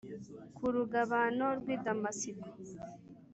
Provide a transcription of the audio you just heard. ku rugabano rw’ i damasiko